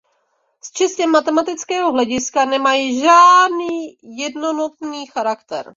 Z čistě matematického hlediska nemají žádný jednotný charakter.